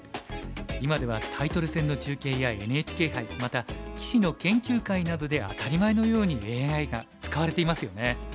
今ではタイトル戦の中継やＮＨＫ杯また棋士の研究会などで当たり前のようにＡＩが使われていますよね。